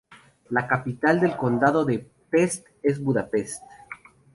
La capital del condado de Pest es Budapest.